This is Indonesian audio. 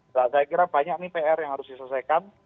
nah saya kira banyak nih pr yang harus diselesaikan